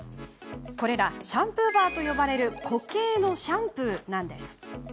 これらシャンプーバーと呼ばれる固形のシャンプー。